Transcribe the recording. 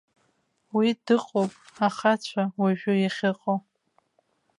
Уи дыҟоуп ахацәа уажәы иахьыҟоу.